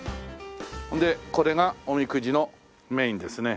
でこれがおみくじのメインですね。